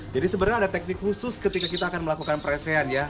jadi sebenarnya ada teknik khusus ketika kita akan melakukan presian ya